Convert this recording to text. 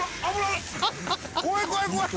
怖い怖い怖い！